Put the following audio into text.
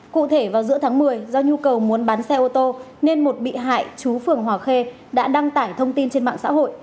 cụ thể vào giữa tháng một mươi do nhu cầu muốn bán xe ô tô nên một bị hại chú phường hòa khê đã đăng tải thông tin trên mạng xã hội